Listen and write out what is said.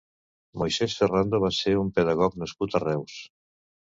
Moisès Ferrando va ser un pedagog nascut a Reus.